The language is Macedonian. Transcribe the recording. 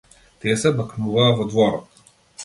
Тие се бакнуваа во дворот.